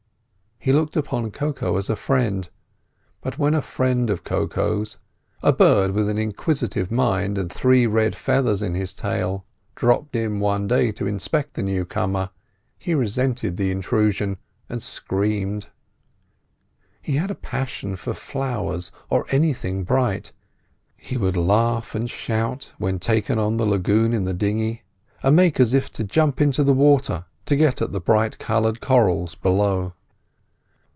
He looked upon Koko as a friend, but when a friend of Koko's—a bird with an inquisitive mind and three red feathers in his tail—dropped in one day to inspect the newcomer, he resented the intrusion, and screamed. He had a passion for flowers, or anything bright. He would laugh and shout when taken on the lagoon in the dinghy, and make as if to jump into the water to get at the bright coloured corals below.